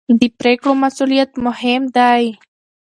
د پرېکړو مسوولیت مهم دی